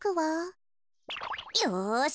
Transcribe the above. よし！